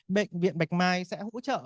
bệnh viện bạch mai sẽ hỗ trợ